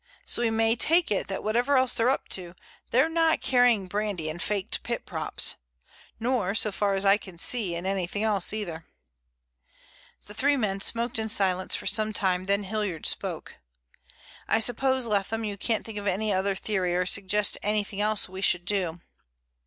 So we may take it that whatever else they're up to, they're not carrying brandy in faked pit props. Nor, so far as I can see, in anything else either." The three men smoked in silence for some time and then Hilliard spoke. "I suppose, Leatham, you can't think of any other theory, or suggest anything else that we should do."